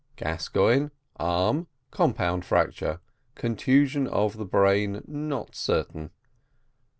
Gascoigne, arm, compound fracture concussion of the brain not certain.